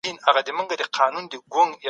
موسی جان د پښتنو یو اتل و.